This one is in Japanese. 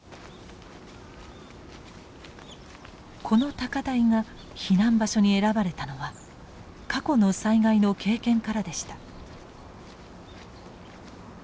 この高台が避難場所に選ばれたのは過去の災害の経験からでした。